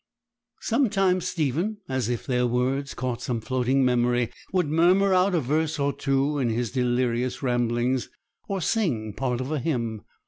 Sometimes Stephen, as if their words caught some floating memory, would murmur out a verse or two in his delirious ramblings, or sing part of a hymn.